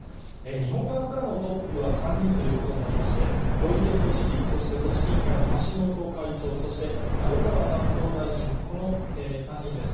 日本側からのトップは３人ということになりまして、小池都知事、そして組織委員会の橋本会長、そして丸川担当大臣、この３人です。